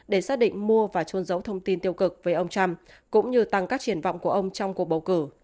để xác định mua và trôn giấu thông tin tiêu cực với ông trump cũng như tăng các triển vọng của ông trong cuộc bầu cử